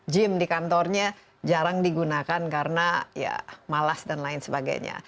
gym di kantornya jarang digunakan karena ya malas dan lain sebagainya